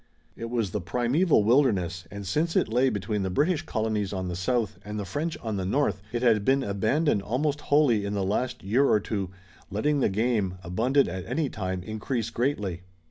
It was the primeval wilderness, and since it lay between the British colonies on the south and the French on the north it had been abandoned almost wholly in the last year or two, letting the game, abundant at any time, increase greatly.